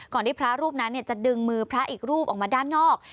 ที่พระรูปนั้นจะดึงมือพระอีกรูปออกมาด้านนอก